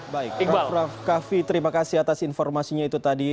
baik raff raff kaffi terima kasih atas informasinya itu tadi